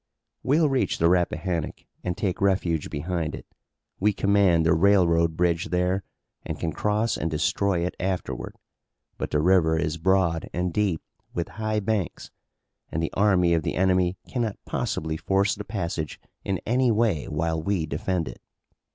"We'll reach the Rappahannock and take refuge behind it. We command the railroad bridge there, and can cross and destroy it afterward. But the river is broad and deep with high banks and the army of the enemy cannot possibly force the passage in any way while we defend it."